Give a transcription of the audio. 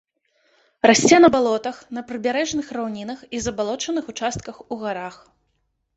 Расце на балотах, на прыбярэжных раўнінах і забалочаных участках у гарах.